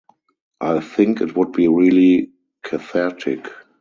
I think it would be really cathartic.